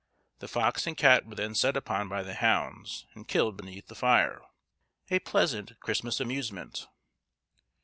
The fox and cat were then set upon by the hounds, and killed beneath the fire; a pleasant Christmas amusement.